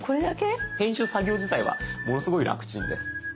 編集作業自体はものすごい楽ちんです。